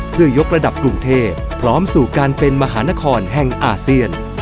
เพื่อยกระดับกรุงเทพพร้อมสู่การเป็นมหานครแห่งอาเซียน